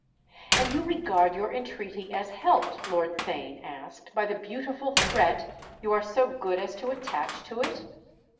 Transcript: "And you regard your entreaty as helped," Lord Theign asked, "by the beautiful threat you are so good as to attach to it?"